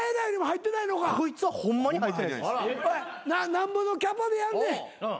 なんぼのキャパでやんねん。